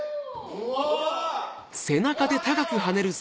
うわ！